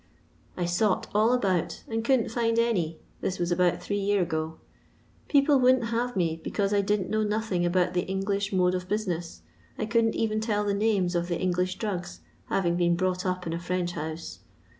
I sought all about and couldn't find any ; this was about three year ago. People wouldn't have me because I didn't know nothing about the English mode of business. I couldn't even tell the names of the English drugs, having been brought up in a French house.